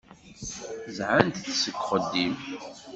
Ẓẓɛen-t seg uxeddim.